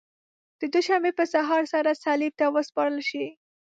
د دوشنبې په سهار سره صلیب ته وسپارل شي.